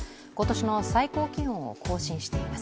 今年の最高気温を更新しています。